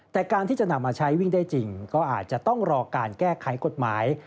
แต่การที่จะนำมาใช้วิ่งได้จริงก็อาจจะต้องรอการแก้ไขกฎหมาย